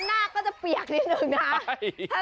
แบบหน้าก็จะเปียกนิดหนึ่งนะใช่